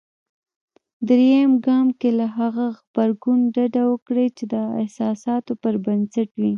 درېم ګام کې له هغه غبرګون ډډه وکړئ. چې د احساساتو پر بنسټ وي.